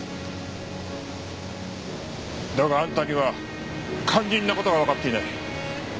だがあんたには肝心な事がわかっていない。